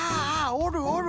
おるおる！